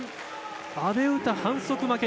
阿部詩、反則負け。